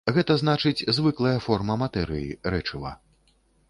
Гэта значыць, звыклая форма матэрыі, рэчыва.